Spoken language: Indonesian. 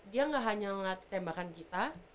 dia nggak hanya tembakan kita